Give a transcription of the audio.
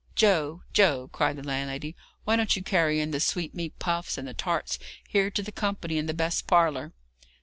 Joe! Joe!' cried the landlady, 'why don't you carry in the sweetmeat puffs and the tarts here to the company in the best parlour?'